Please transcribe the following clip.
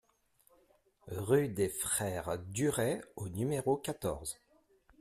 Rue des Frères Duret au numéro quatorze